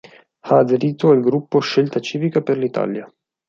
Ha aderito al gruppo Scelta Civica per l'Italia.